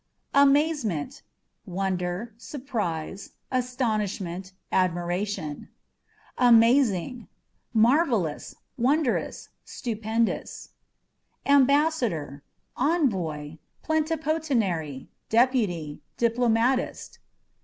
Amazementâ€" wonder, surprise, astonishment, admiration. Amazing â€" marvellous, wondrous, stupendous. Ambassador â€" envoy, plenipotentiary, deputy, diplomatist.